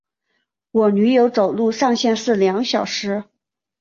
我女友走路上限是两小时